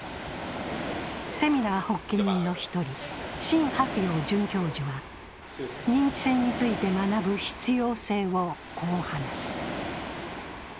セミナー発起人の１人、沈伯洋准教授は認知戦について学ぶ必要性をこう話す。